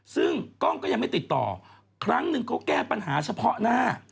ซึ่งกล้องก็ยังไม่ติดต่อครั้งหนึ่งเขาแก้ปัญหาเฉพาะหน้า